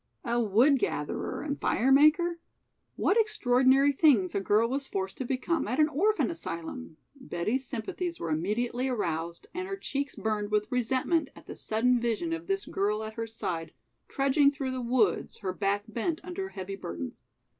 "A wood gatherer and fire maker; what extraordinary things a girl was forced to become at an orphan asylum!" Betty's sympathies were immediately aroused and her cheeks burned with resentment at the sudden vision of this girl at her side trudging through the woods, her back bent under heavy burdens.